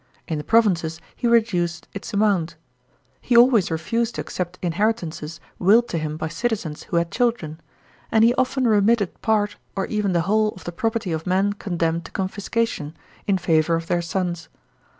In the provinces he reduced its amount. He always refused to accept inheritances willed to him by citizens who had children ; and he often remitted part, or even the whole, of the property of men condemned to coi fiscation, in favour of their sons.